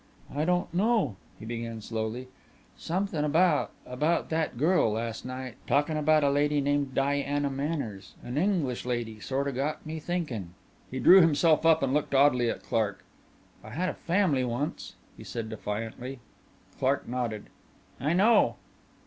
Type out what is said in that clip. "I don't know," he began slowly, "somethin' about about that girl last night talkin' about a lady named Diana Manners an English lady, sorta got me thinkin'!" He drew himself up and looked oddly at Clark, "I had a family once," he said defiantly. Clark nodded. "I know."